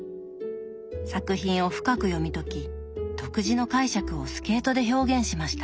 作品を深く読み解き独自の解釈をスケートで表現しました。